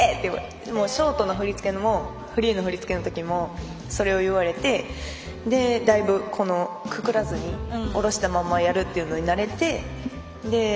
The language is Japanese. ショートの振り付けもフリーの振り付けの時もそれを言われて、それでだいぶくくらずにおろしたままやるっていうのに慣れて。